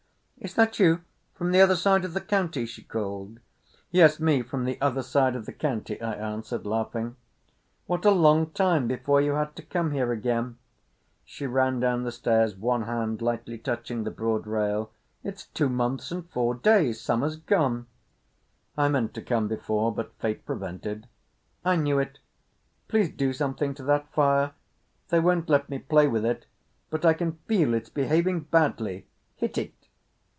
"Is that you—from the other side of the county?" she called. "Yes, me—from the other side of the county," I answered laughing. "What a long time before you had to come here again." She ran down the stairs, one hand lightly touching the broad rail. "It's two months and four days. Summer's gone!" "I meant to come before, but Fate prevented." "I knew it. Please do something to that fire. They won't let me play with it, but I can feel it's behaving badly. Hit it!"